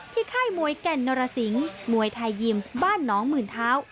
ค่ายมวยแก่นนรสิงมวยไทยยิมส์บ้านน้องหมื่นเท้า